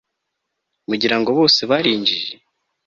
mugira ngo bose bari injiji